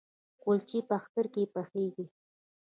کلچې په اختر کې پخیږي؟